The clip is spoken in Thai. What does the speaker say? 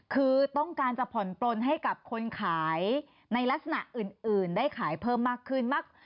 คือต้องการจะผ่อนปลนให้กับคนขายในลักษณะอื่นได้ขายเพิ่มมากขึ้น